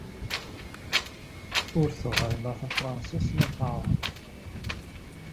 Ur teɣri la tafransist la taɛrabt.